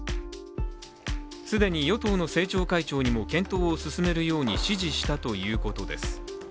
既に与党の政調会長にも検討を進めるように指示したということです。